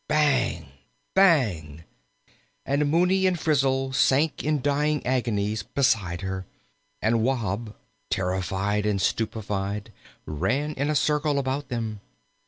Bang! bang! and Mooney and Frizzle sank in dying agonies beside her, and Wahb, terrified and stupefied, ran in a circle about them.